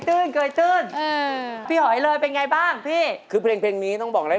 ตื่นน้ำตายแต่สุดท้ายต้องมาตาย